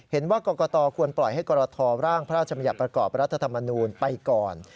เห็นว่ากรกตควรปล่อยให้กรทร่างพระราชมัญญัติประกอบรัฐธรรมนูลไปก่อน